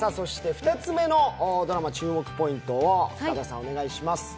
２つ目のドラマ注目ポイントをお願いします。